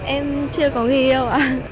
em chưa có ghi yêu